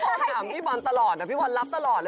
จ้ะโอ้ผมถามพี่วัลตลอดน่ะพี่วัลรับตลอดน่ะ